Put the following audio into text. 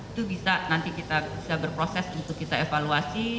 itu bisa nanti kita bisa berproses untuk kita evaluasi